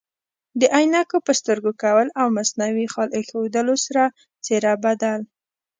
د عینکو په سترګو کول او مصنوعي خال ایښودلو سره څیره بدل